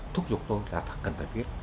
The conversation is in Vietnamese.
thúc giục tôi là phải cần phải viết